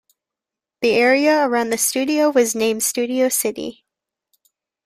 The area around the studio was named Studio City.